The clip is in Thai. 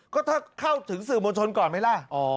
ก็ถ้าเข้าถึงสื่อมวลชนก่อนไหมล่ะ